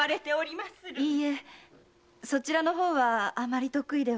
いいえそちらの方はあまり得意では。